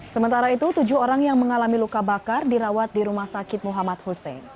sementara itu tujuh orang yang mengalami luka bakar dirawat di rumah sakit muhammad hussein